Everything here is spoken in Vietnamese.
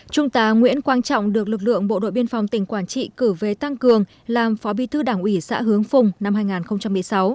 trung tá nguyễn quang trọng được lực lượng bộ đội biên phòng tỉnh quảng trị cử về tăng cường làm phó bí thư đảng ủy xã hướng phùng năm hai nghìn một mươi sáu